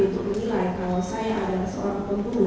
untuk menilai kalau saya adalah seorang pembunuh